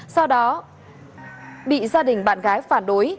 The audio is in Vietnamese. sau đó bị gia đình bạn gái phản đối